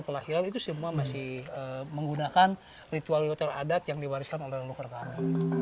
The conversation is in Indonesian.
kelahiran itu semua masih menggunakan ritual ritual adat yang diwariskan oleh leluhur kami